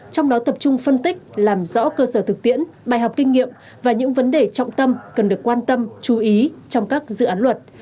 trong đó tập trung phân tích làm rõ cơ sở thực tiễn bài học kinh nghiệm và những vấn đề trọng tâm cần được quan tâm chú ý trong các dự án luật